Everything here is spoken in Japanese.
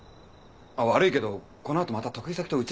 あっ悪いけどこのあとまた得意先と打ち合わせなんだ。